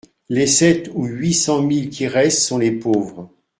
Les sept ou huit cent mille qui restent sont les pauvres.